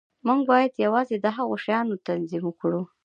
موږ باید یوازې د هغو شیانو تعظیم وکړو